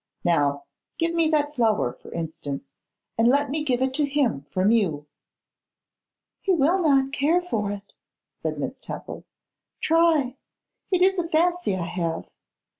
Now, give me that flower, for instance, and let me give it to him from you.' 'He will not care for it,' said Miss Temple. 'Try. It is a fancy I have.